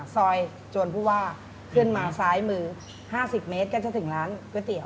ซอยจวนผู้ว่าขึ้นมาซ้ายมือ๕๐เมตรก็จะถึงร้านก๋วยเตี๋ย